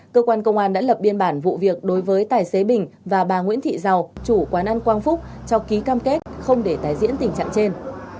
cơ quan công an đã lập biên bản vụ việc đối với tài xế bình và bà nguyễn thị giàu chủ quán ăn quang phúc cho ký cam kết không để tái diễn tình trạng trên